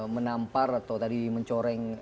menampar atau tadi mencoreng